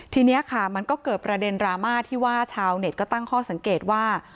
ทีนี้ค่ะมันก็เกิดประเด็นดราม่าที่ว่าชาวเน็ตก็ตั้งข้อสังเกตว่า